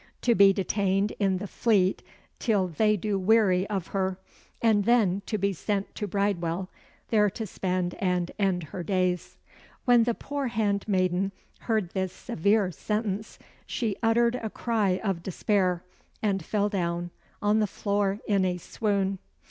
To be detained in the Fleet till they do weary of her; and then to be sent to Bridewell, there to spend and end her days." When the poor handmaiden heard this severe sentence, she uttered a cry of despair, and fell down on the floor in a swoon.